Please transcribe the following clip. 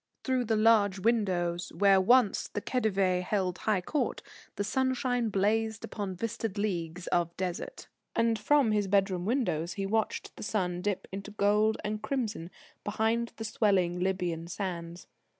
Through the large windows where once the Khedive held high court, the sunshine blazed upon vistaed leagues of Desert. And from his bedroom windows he watched the sun dip into gold and crimson behind the swelling Libyan sands.